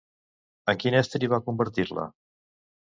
En quin estri va convertir-la?